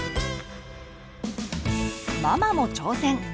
ママも挑戦！